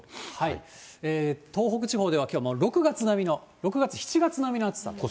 東北地方では、きょう６月並みの、６月、７月並みの暑さ。